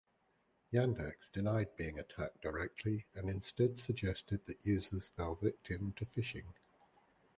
Yandex denied being attacked directly and instead suggested that users fell victim to phishing.